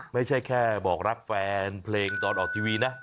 ไม่ใช่แค่บอกรักแฟนเพลงตอนออกทีวีนะ